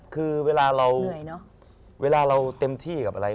คือเวลาเราเต็มที่กับอะไร